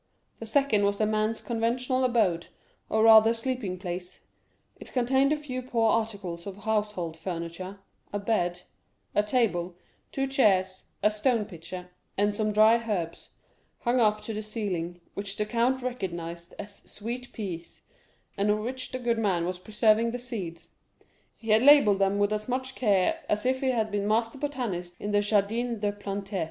The second was the man's conventional abode, or rather sleeping place; it contained a few poor articles of household furniture—a bed, a table, two chairs, a stone pitcher—and some dry herbs, hung up to the ceiling, which the count recognized as sweet peas, and of which the good man was preserving the seeds; he had labelled them with as much care as if he had been master botanist in the Jardin des Plantes.